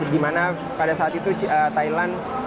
di mana pada saat itu thailand